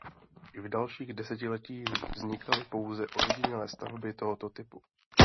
I v dalších desetiletích vznikaly pouze ojedinělé stavby tohoto typu.